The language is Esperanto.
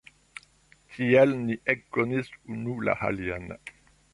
Tiel ni ekkonis unu la alian.